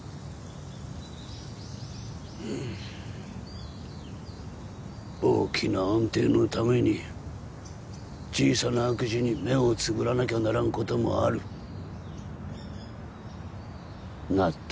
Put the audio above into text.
うん大きな安定のために小さな悪事に目をつぶらなきゃならんこともある納得